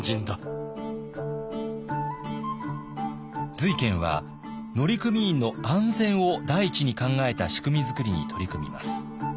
瑞賢は乗組員の安全を第一に考えた仕組み作りに取り組みます。